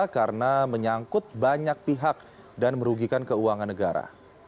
karena menyangkut banyak pihak dan merugikan keuangan negara